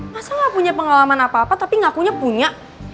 masa gak punya pengalaman apa apa tapi ngakunya punya